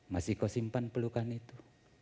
masih kau simpan pelukan itu